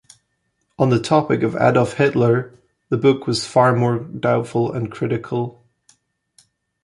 On the topic of Adolf Hitler, the book was far more doubtful and critical.